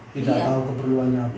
tidak tau keperluannya apa